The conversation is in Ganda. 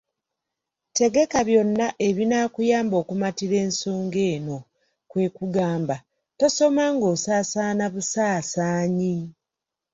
Tegeka byonna ebinaakuyamba okumatira ensonga eyo; kwe kugamba, tosoma ng’osaasaana busaasaanyi!